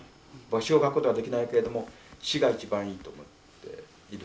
詩を書くことはできないけれども詩が一番いいと思っているわけですね。